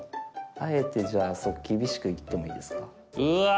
あえてじゃあ厳しくいってもいいですか。